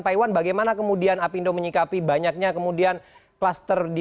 pak iwan bagaimana kemudian api industri ini menyikapi banyaknya kemudian klaster di